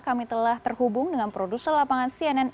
kami telah terhubung dengan produser lapangan cnn indonesia